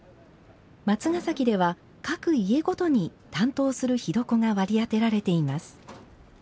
松ヶ崎では、各家ごとに担当する火床が割り当てられています。